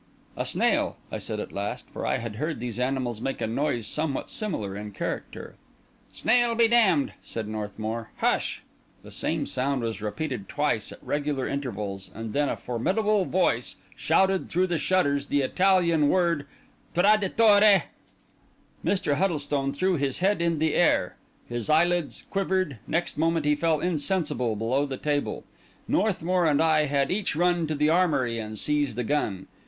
"A snail," I said at last; for I had heard that these animals make a noise somewhat similar in character. "Snail be d—d!" said Northmour. "Hush!" The same sound was repeated twice at regular intervals; and then a formidable voice shouted through the shutters the Italian word "Traditore!" Mr. Huddlestone threw his head in the air; his eyelids quivered; next moment he fell insensible below the table. Northmour and I had each run to the armoury and seized a gun.